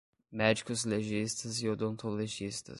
Médicos legistas e odontolegistas